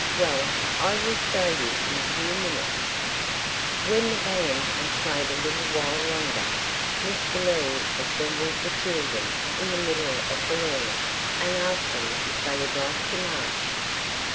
"Well, I will show you in a few minutes." When the band had played a little while longer, Mr. Lee assembled the children in the middle of the lawn, and asked them if they would like to march.